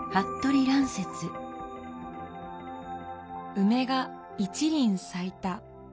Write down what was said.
「梅が一輪さいた。